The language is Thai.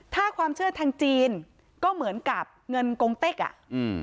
ถ้าความเชื่อทางจีนก็เหมือนกับเงินกงเต็กอ่ะอืม